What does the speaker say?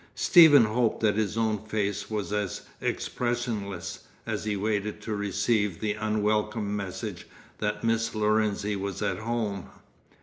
Stephen hoped that his own face was as expressionless, as he waited to receive the unwelcome message that Miss Lorenzi was at home.